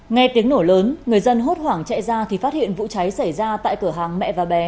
nghe tiếng nổ lớn người dân hốt hoảng chạy ra thì phát hiện vụ cháy xảy ra tại cửa hàng mẹ và bé